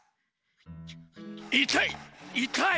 いたい！